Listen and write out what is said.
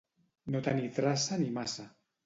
No tenir traça ni maça.